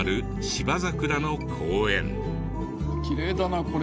きれいだなこれ。